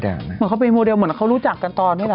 เหมือนเขาเป็นโมเดลเหมือนเขารู้จักกันตอนด้วยแหละ